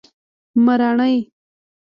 مراڼی